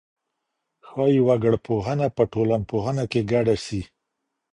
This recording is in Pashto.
ښايي وګړپوهنه په ټولنپوهنه کي ګډه سي.